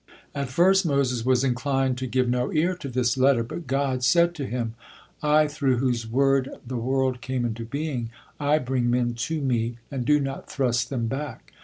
At first Moses was inclined to give no ear to this letter, but God said to him: "I, through whose word the world came into being, I bring men to Me and do not thrust them back.